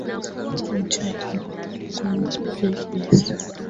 Kuja nikupe pesa.